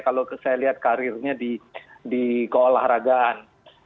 kalau saya lihat karirnya di keolahragaan